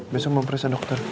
besok mau periksa dokter